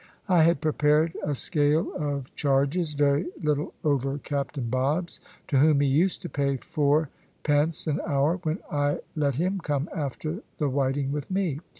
I had prepared a scale of charges, very little over Captain Bob's, to whom he used to pay 4d. an hour, when I let him come after the whiting with me.